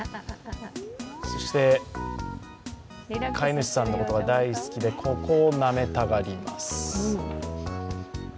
そして、飼い主さんのことが大好きでここをなめたがります。